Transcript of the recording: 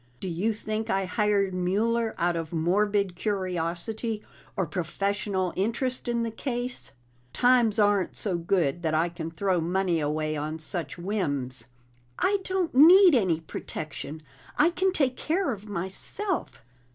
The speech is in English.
Do you think I hired Mueller out of morbid curiosity, or professional interest in the case? Times aren't so good that I can throw money away on such whims." "I don't need any protection. I can take care of myself!"